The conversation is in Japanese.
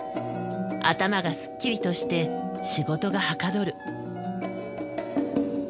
頭がすっきりとして仕事がはかどる。